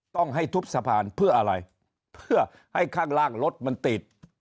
ต้องให้ทุบสะพานเพื่ออะไรเพื่อให้ข้างล่างรถมันติด